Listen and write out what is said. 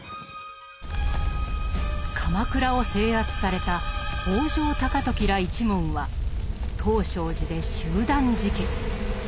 鎌倉を制圧された北条高時ら一門は東勝寺で集団自決。